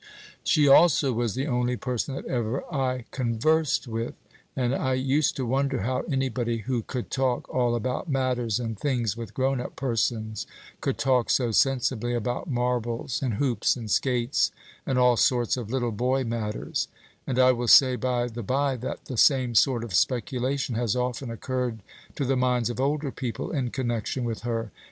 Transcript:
She also was the only person that ever I conversed with, and I used to wonder how any body who could talk all about matters and things with grown up persons could talk so sensibly about marbles, and hoops, and skates, and all sorts of little boy matters; and I will say, by the by, that the same sort of speculation has often occurred to the minds of older people in connection with her.